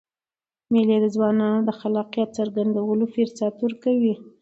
مېلې د ځوانانو د خلاقیت څرګندولو فرصت ورکوي.